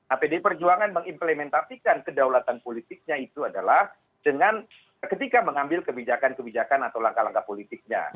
apd perjuangan mengimplementasikan kedaulatan politiknya itu adalah dengan ketika mengambil kebijakan kebijakan atau langkah langkah politiknya